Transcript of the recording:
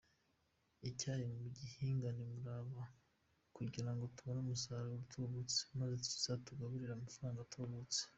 Icyayi mugihingane umurava kugira ngo tubone umusaruro utubutse, maze kizatuzanire amafaranga atubutse.